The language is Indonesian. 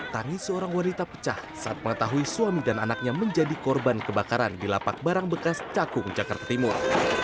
tangis seorang wanita pecah saat mengetahui suami dan anaknya menjadi korban kebakaran di lapak barang bekas cakung jakarta timur